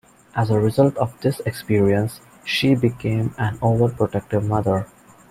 As a result of this experience, she became an overprotective mother.